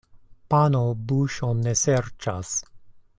Pano buŝon ne serĉas.